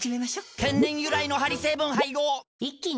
天然由来のハリ成分配合一気に！